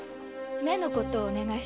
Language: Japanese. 目のことをお願いして。